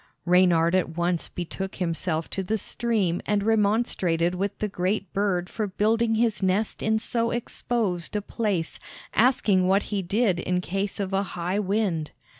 Reynard at once betook himself to the stream and remonstrated with the great bird for building his nest in so exposed a place, asking what he did in case of a high wind.